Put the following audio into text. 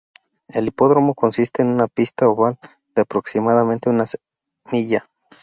El hipódromo consiste en una pista oval de aproximadamente una milla.